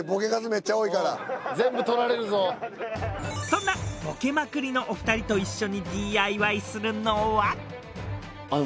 そんなボケまくりのお二人と一緒にＤＩＹするのは。